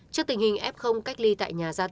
trước tình hình f cách ly tại nhà